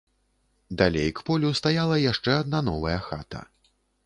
Далей к полю стаяла яшчэ адна новая хата.